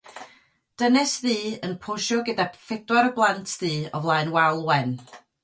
Dynes ddu yn posio gyda phedwar o blant du o flaen wal wen.